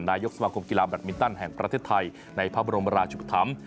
นายกสมาคมกีฬาแบตมินตันแห่งประเทศไทยในพระบรมราชุปธรรม